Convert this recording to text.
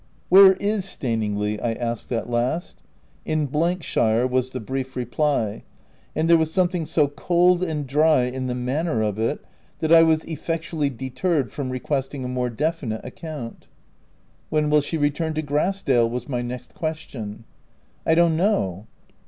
" Where is Staningley?'' I asked at last. " In shire/' was the brief reply : and there was something so cold and dry in the manner of it, that I was effectually deterred from requesting a more definite account. 264 THE TENANT " When will she return to Grass dale?' 5 was ray next question. " I don't know."